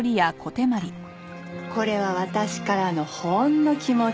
これは私からのほんの気持ち。